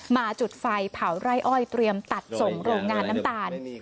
จุดไฟเผาไร่อ้อยเตรียมตัดส่งโรงงานน้ำตาล